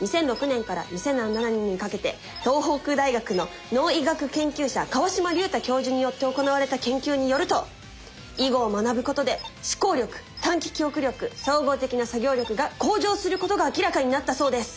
２００６年から２００７年にかけて東北大学の脳医学研究者川島隆太教授によって行われた研究によると囲碁を学ぶことで思考力短期記憶力総合的な作業力が向上することが明らかになったそうです！